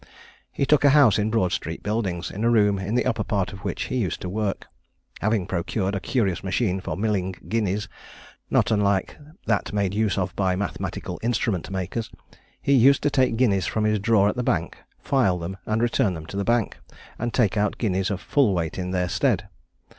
He took a house in Broad street Buildings, in a room in the upper part of which he used to work. Having procured a curious machine for milling guineas, not unlike that made use of by mathematical instrument makers, he used to take guineas from his drawer at the Bank, file them, and return them to the Bank, and take out guineas of full weight in their stead.